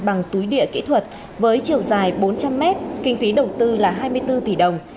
bằng túi địa kỹ thuật với chiều dài bốn trăm linh mét kinh phí đầu tư là hai mươi bốn tỷ đồng